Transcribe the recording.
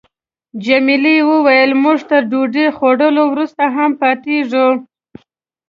جميلې وويل: موږ تر ډوډۍ خوړلو وروسته هم پاتېږو.